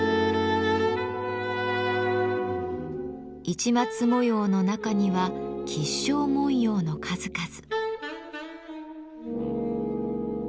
市松模様の中には吉祥文様の数々。